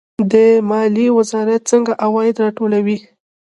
د مالیې وزارت څنګه عواید راټولوي؟